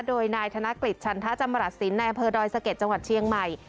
โดยนายธนกฤษชันทจำรัฐศิลป์ในอำเภอดอยสะเก็ดจังหวัดเชียงใหม่